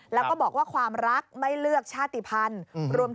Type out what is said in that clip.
แล้วก็บอกว่าความรักไม่เลือกชาติภัณฑ์